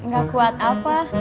gak kuat apa